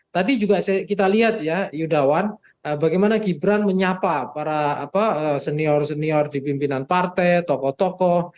tadi juga kita lihat ya yudawan bagaimana gibran menyapa para senior senior di pimpinan partai tokoh tokoh